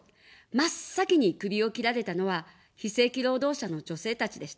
真っ先に首を切られたのは非正規労働者の女性たちでした。